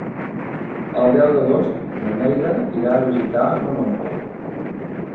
El deu d'agost na Neida irà a visitar mon oncle.